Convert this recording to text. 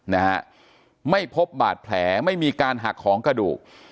นะฮะไม่พบบาดแผลไม่มีการหักของกระดูก